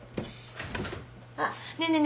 あっねえねえねえ。